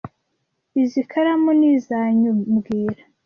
Izoi karamu ni izoanyu mbwira